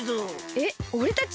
えっおれたち？